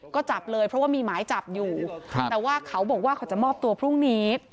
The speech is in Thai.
ก็จับเลยเพราะว่ามีหมายจับอยู่แต่ว่าเขาบอกว่าเขาจะมอบตัวพรุ่งนี้